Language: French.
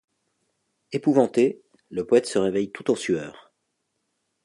Épouvanté, le poète se réveille tout en sueur.